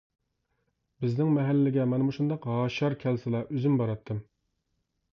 بىزنىڭ مەھەللىگە مانا مۇشۇنداق ھاشار كەلسىلا ئۆزۈم باراتتىم.